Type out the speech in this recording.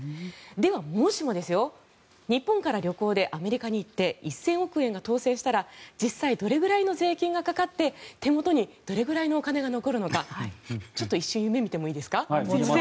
ではもしもですよ日本から旅行でアメリカに行って１０００億円が当選したら実際どれぐらいの税金がかかって手元にどれぐらいのお金が残るのかちょっと一瞬夢見てもいいですか？